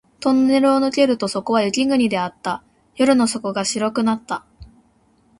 トンネルを抜けるとそこは雪国であった。夜の底が白くなった